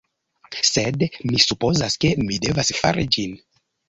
Sed mi supozas ke mi devas fari ĝin!